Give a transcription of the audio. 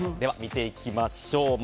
見ていきましょう。